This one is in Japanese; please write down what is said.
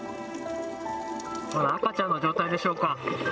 赤ちゃんの状態でしょうか。